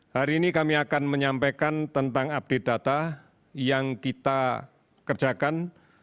hari ini kami akan menyampaikan tentang update data yang kita kerjakan